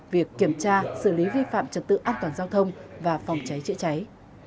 việc kiểm tra xử lý vi phạm trật tự an toàn giao thông và phòng cháy chữa cháy